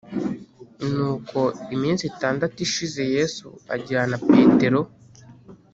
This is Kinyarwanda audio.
Nuko iminsi itandatu ishize yesu ajyana petero